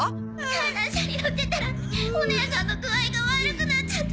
観覧車に乗ってたらおねえさんの具合が悪くなっちゃって。